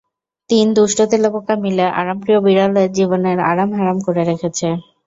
তিন দুষ্টু তেলাপোকা মিলে আরামপ্রিয় বিড়ালের জীবনের আরাম হারাম করে রেখেছে।